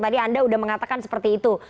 tadi anda sudah mengatakan seperti itu